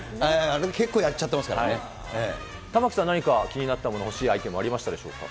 あれで結構やっちゃってます玉城さん、何か気になったもの、欲しいアイテムありましたでしょうか？